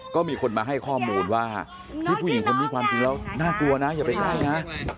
ก็มีคนมาให้ข้อมูลว่าผู้หญิงคนนี้ความจริงแล้วน่ากลัวนะอย่าไปใกล้นะ